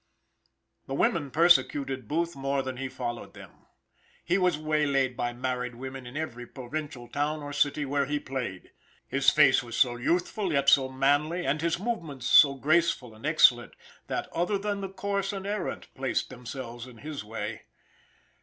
The women persecuted Booth more than he followed them. He was waylaid by married women in every provincial town or city where he played. His face was so youthful, yet so manly, and his movements so graceful and excellent, that other than the coarse and errant placed themselves in his way.